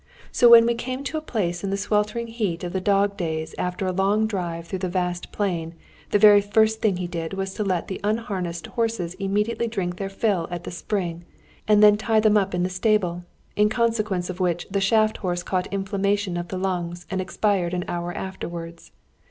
So when we came to a place in the sweltering heat of the dog days after a long drive through the vast plain, the very first thing he did was to let the unharnessed horses immediately drink their fill at the spring, and then tie them up in the stable, in consequence of which the shaft horse caught inflammation of the lungs, and expired an hour afterwards.